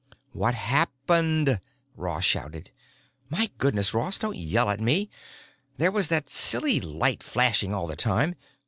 "What happened?" Ross shouted. "My goodness, Ross don't yell at me! There was that silly light flashing all the time.